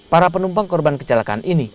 para penumpang korban kecelakaan ini